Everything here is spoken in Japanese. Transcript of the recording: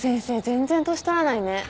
全然年取らないね。